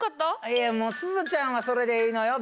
いやもうすずちゃんはそれでいいのよ。